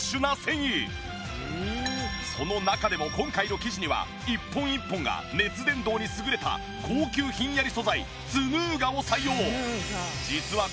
その中でも今回の生地には一本一本が熱伝導に優れた高級ひんやり素材ツヌーガを採用。